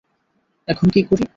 এখন কী করি?